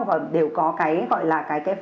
và đều có cái gọi là